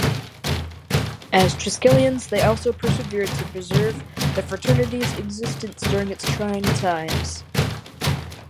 As Triskelions they also persevered to preserve the fraternity's existence during its trying times.